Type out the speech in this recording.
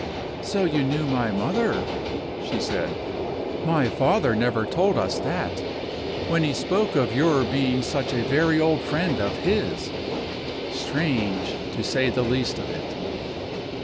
"So you knew my mother?" she said. "My father never told us that, when he spoke of your being such a very old friend of his. Strange, to say the least of it."